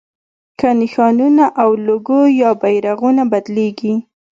که نښانونه او لوګو یا بیرغونه بدلېږي.